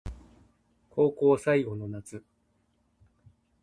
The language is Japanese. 高校最後の夏